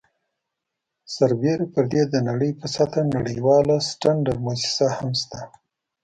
سربیره پر دې د نړۍ په سطحه نړیواله سټنډرډ مؤسسه هم شته.